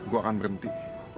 gue akan berhenti